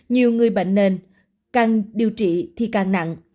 nhiều người bệnh nền càng điều trị thì càng nặng